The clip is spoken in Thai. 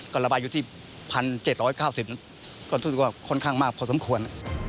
ก็ระบายอยู่ที่๑๗๙๐บาทก็คือว่าค่อนข้างมากพอสมควร